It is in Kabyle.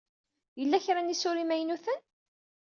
Yella kra n yisura imaynuten?